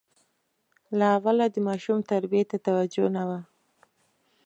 له اوله د ماشوم تربیې ته توجه نه وه.